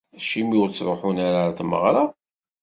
Acimi ur ttruḥun ara ɣer tmeɣra?